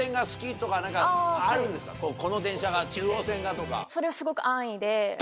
この電車が中央線がとか。